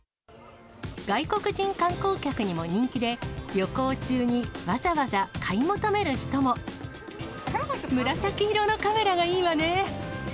外国人観光客にも人気で、紫色のカメラがいいわね。